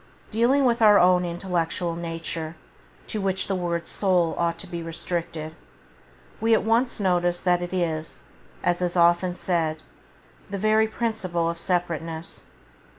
Dealing with our own intellectual nature, to which the word soul ought to be restricted, we at once notice that it is, as is often said, the very principle of separateness.